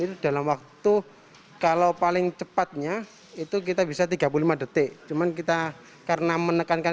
itu dalam waktu kalau paling cepatnya itu kita bisa tiga puluh lima detik cuman kita karena menekankan